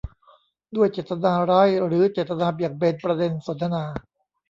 ด้วยเจตนาร้ายหรือเจตนาเบี่ยงเบนประเด็นสนทนา